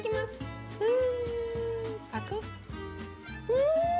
うん。